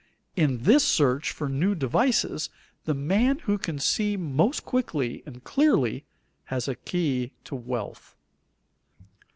In this search for new devices the man who can see most quickly and clearly has a key to wealth.